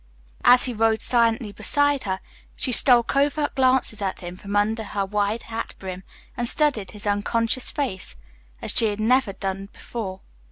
As he rode silently beside her, she stole covert glances at him from under her wide hat brim, and studied his unconscious face as she had never done before.